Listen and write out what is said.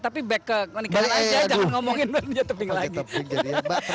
tapi bekek kali aja jangan ngomongin mbak yeni ke tebing lagi